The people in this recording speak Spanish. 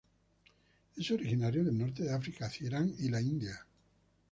Es originario del norte de África hasta Irán y la India.